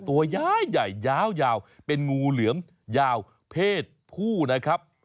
ตัวย้ายใหญ่ยาวเป็นงูเหลือมยาวเพศผู้นะครับ